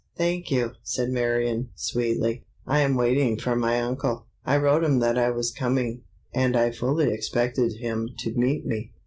"Thank you," said Marion, sweetly. "I am waiting for my uncle. I wrote him that I was coming, and I fully expected him to meet me."